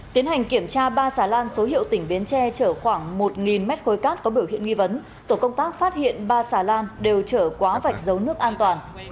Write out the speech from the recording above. tiến hành kiểm tra ba xà lan số hiệu tỉnh bến tre chở khoảng một mét khối cát có biểu hiện nghi vấn tổ công tác phát hiện ba xà lan đều chở quá vạch giấu nước an toàn